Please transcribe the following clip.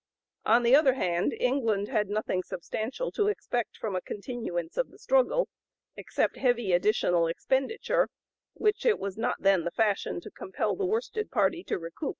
On the other hand, England had nothing substantial to expect from a continuance of the struggle, except heavy additional expenditure which it was not then the fashion to compel the worsted party to recoup.